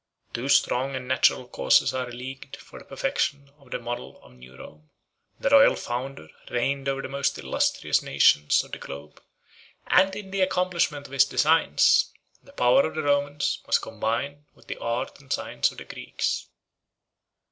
Two strong and natural causes are alleged for the perfection of the model of new Rome. The royal founder reigned over the most illustrious nations of the globe; and in the accomplishment of his designs, the power of the Romans was combined with the art and science of the Greeks.